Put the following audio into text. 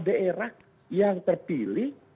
daerah yang terpilih